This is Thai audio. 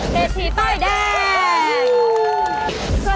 เศษทีสายใกล้แดง